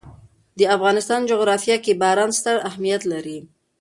د افغانستان جغرافیه کې باران ستر اهمیت لري.